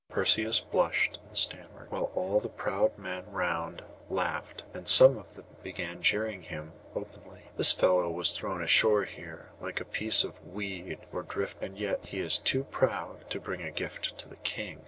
Perseus blushed and stammered, while all the proud men round laughed, and some of them began jeering him openly. 'This fellow was thrown ashore here like a piece of weed or drift wood, and yet he is too proud to bring a gift to the king.